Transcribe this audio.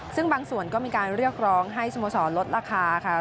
ซึ่งบางส่วนก็มีการเรียกร้องให้สโมสรลดราคาค่ะ